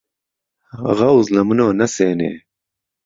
غهوز له منۆ نهسێنێ